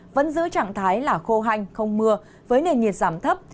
vẫn giữ trạng thái là khô hành không mưa với nền nhiệt giảm thấp